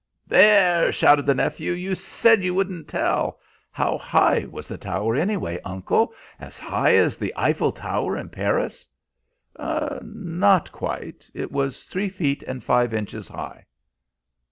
"There!" shouted the nephew; "you said you wouldn't tell. How high was the tower, anyway, uncle? As high as the Eiffel Tower in Paris?" "Not quite. It was three feet and five inches high."